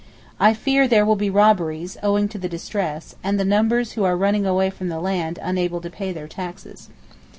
I fear there will be robberies, owing to the distress, and the numbers who are running away from the land unable to pay their taxes.